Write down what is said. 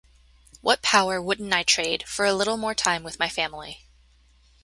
What power wouldn't I trade for a little more time with my family?